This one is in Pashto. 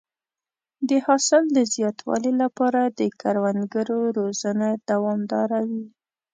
د حاصل د زیاتوالي لپاره د کروندګرو روزنه دوامداره وي.